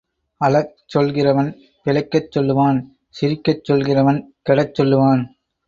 அழச் சொல்கிறவன் பிழைக்கச் சொல்லுவான் சிரிக்கச சொல்கிறவன் கெடச் சொல்லுவான்.